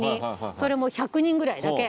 それも１００人ぐらいだけ。